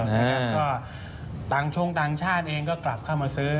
ก็ต่างชงต่างชาติเองก็กลับเข้ามาซื้อ